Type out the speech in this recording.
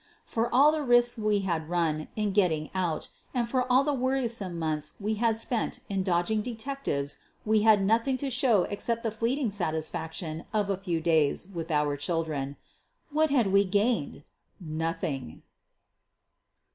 For all the risks we had run in getting out and for all the worrisome months we had spent in dodging detectives we had nothing to show except the fleeting satisfaction of a few days with our children. What had we gained? Nothing.